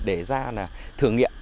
để ra là thử nghiệm